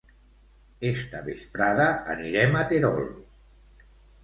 Esta vesprada anirem a Terol.